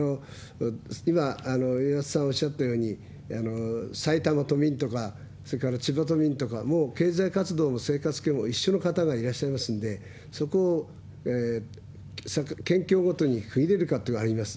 今、岩田さんおっしゃったように、埼玉県民とか、それから千葉県民、もう経済活動も生活圏も一緒の方がいらっしゃいますんで、そこを県境ごとに区切れるかというのはあります。